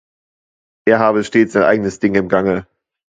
Er habe stets sein eigenes Ding im Gange.